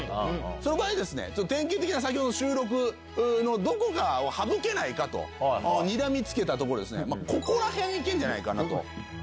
その場合典型的な先ほどの収録のどこかを省けないかとにらみ付けたところここら辺いけるんじゃないかと。